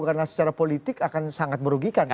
karena secara politik akan sangat merugikan